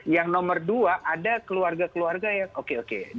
yang nomor dua ada keluarga keluarga yang oke oke